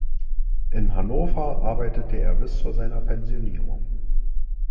In Hannover arbeitete er bis zu seiner Pensionierung.